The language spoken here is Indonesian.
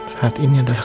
saat ini adalah